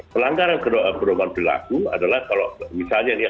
pelanggaran pedoman perilaku adalah kalau misalnya